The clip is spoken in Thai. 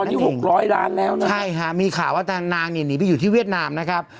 ตอนนี้หกร้อยล้านแล้วใช่ฮะมีข่าวว่านางลีหนีไปอยู่ที่เวียดนามนะครับ